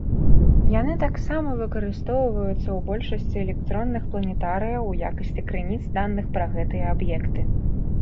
Яны таксама выкарыстоўваюцца ў большасці электронных планетарыяў у якасці крыніц даных пра гэтыя аб'екты.